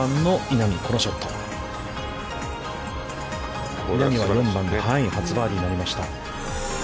稲見は４番で初バーディーとなりました。